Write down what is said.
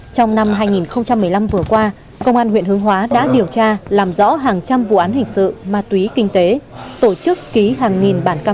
trong năm hai nghìn một mươi năm vừa qua công an huyện hướng hóa đã điều tra làm rõ hàng trăm vụ án hình sự ma túy kinh tế tổ chức ký hàng nghìn bản cam kết